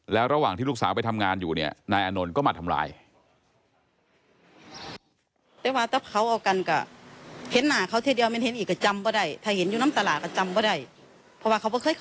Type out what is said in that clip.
แล้วระหว่างที่ลูกสาวไปทำงานอยู่เนี่ยนายอานนท์ก็มาทำร้าย